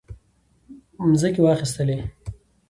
مځکې واخیستلې.